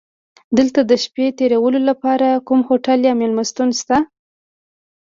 دلته د شپې تېرولو لپاره کوم هوټل یا میلمستون شته؟